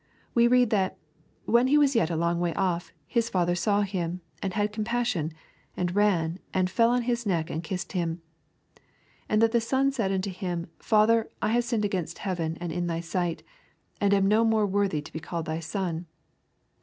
We read that " When he was yet a long way off, his father saw him, and had compassion, and ran, and fell on his neck, and kissed him. And the son said unto him. Father, I have sinned against heaven and in thy sight, and am no more worthy to be called thy son.